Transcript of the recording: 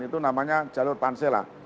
itu namanya jalur pansel lah